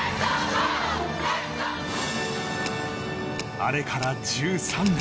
あらから１３年。